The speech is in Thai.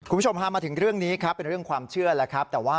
คุณผู้ชมพามาถึงเรื่องนี้ครับเป็นเรื่องความเชื่อแล้วครับ